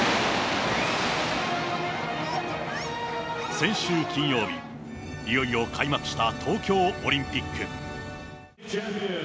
先週金曜日、いよいよ開幕した東京オリンピック。